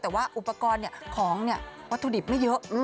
แต่ว่าอุปกรณ์ของวัตถุดิบไม่เยอะ